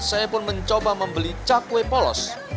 saya pun mencoba membeli cakwe polos